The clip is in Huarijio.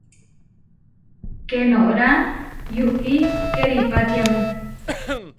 Keenorá yukí keripátiame.